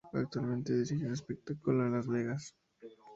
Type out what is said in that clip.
Actualmente dirige un espectáculo en Las Vegas.